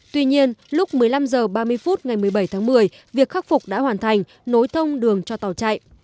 tuy nhiên lúc một mươi năm h ba mươi phút ngày một mươi bảy tháng một mươi việc khắc phục đã hoàn thành nối thông đường cho tàu chạy